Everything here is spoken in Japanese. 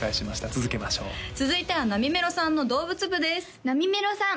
続けましょう続いてはなみめろさんの動物部ですなみめろさん